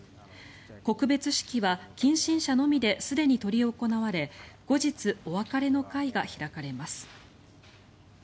告別式は近親者のみですでに執り行われ後日、お別れの会が開かれます。